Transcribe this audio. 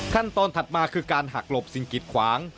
ขั้นต้นถัดมาคือการหักหลบสิ่งกีดขวาง